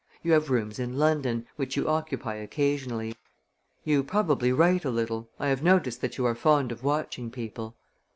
You have rooms in London, which you occupy occasionally. You probably write a little I have noticed that you are fond of watching people."